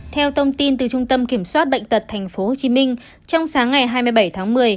theo thông tin từ trung tâm kiểm soát bệnh tật tp hcm trong sáng ngày hai mươi bảy tháng một mươi